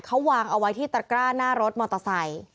เขาวางเอาไว้ที่ตระกร้าหน้ารถมอเตอร์ไซค์